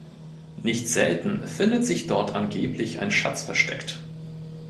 Nicht selten findet sich dort angeblich ein Schatz versteckt.